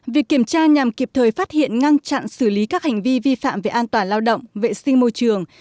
việc kiểm tra nhằm kịp thời phát hiện ngăn chặn xử lý các hành vi vi phạm về an toàn lao động vệ sinh môi trường